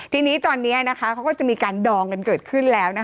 ทีนี้ตอนนี้เขาก็จะมีการดองกันเกิดขึ้นแล้ว